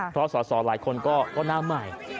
เพราะส่อหลายคนก็หน้าหมาย